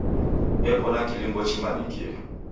Eko na kilungo chimanyikie.